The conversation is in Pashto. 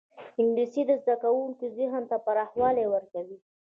انګلیسي د زدهکوونکو ذهن ته پراخوالی ورکوي